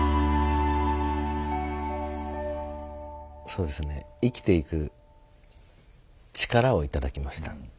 そうですね生きていく力を頂きました。